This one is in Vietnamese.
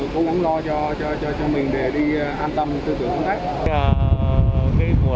cô bà ngoại đã có ông bà ngoại